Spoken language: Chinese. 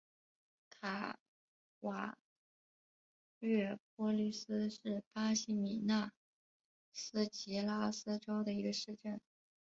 卡瓦略波利斯是巴西米纳斯吉拉斯州的一个市镇。